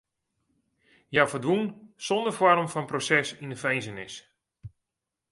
Hja ferdwûn sonder foarm fan proses yn de finzenis.